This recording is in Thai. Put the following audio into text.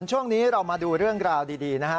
ช่วงนี้เรามาดูเรื่องราวดีนะฮะ